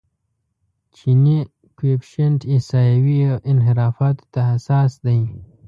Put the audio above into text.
جیني کویفشینټ احصایوي انحرافاتو ته حساس دی.